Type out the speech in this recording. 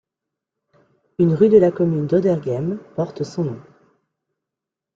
Une rue de la commune d'Auderghem porte son nom.